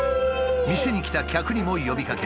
店に来た客にも呼びかけ